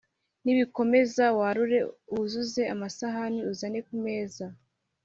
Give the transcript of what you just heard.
Nibikomeza, warure wuzuze amasahani, uzane ku meza.